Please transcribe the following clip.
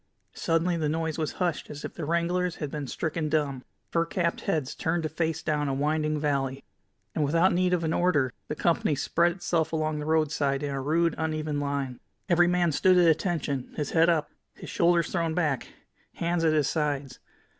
Suddenly the noise was hushed as if the wranglers had been stricken dumb. Fur capped heads turned to face down the winding valley, and without need of an order, the company spread itself along the roadside in a rude, uneven line. Every man stood at attention, his head up, his shoulders thrown back, hands at his sides.